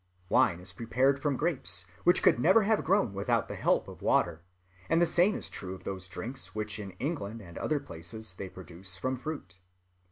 Wine is prepared from grapes, which could never have grown without the help of water; and the same is true of those drinks which in England and other places they produce from fruit....